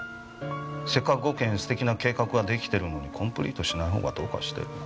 せっかく５件素敵な計画が出来てるのにコンプリートしない方がどうかしてる。